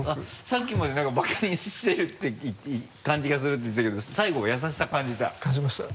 さっきまで何かバカにしてるって感じがするって言ってたけど最後は優しさ感じた？